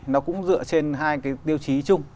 nó cũng dựa trên hai cái tiêu chí chung